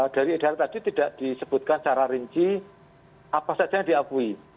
dari edaran tadi tidak disebutkan secara rinci apa saja yang diakui